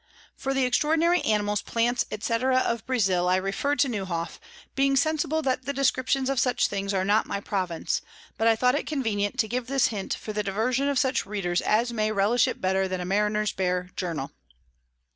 For the extraordinary Animals, Plants, &c. of Brazile, I refer to Newhoff; being sensible that the Descriptions of such things are not my Province, but I thought it convenient to give this Hint for the Diversion of such Readers as may relish it better than a Mariner's bare Journal.